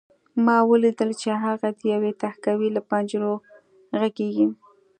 ما ولیدل چې هغه د یوې تهکوي له پنجرو غږېږي